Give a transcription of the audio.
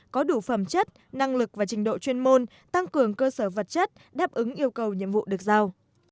có đủ phẩm chất năng lực và trình độ chuyên môn tăng cường cơ sở vật chất đáp ứng yêu cầu nhiệm vụ được giao